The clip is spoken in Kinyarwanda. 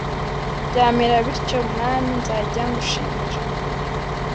byamera bityo, mwami, nzajya ngushimira,